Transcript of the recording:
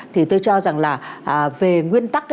thì tôi cho rằng là về nguyên tắc